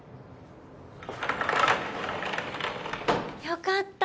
よかった。